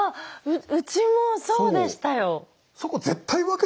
うちもそうでしたよ。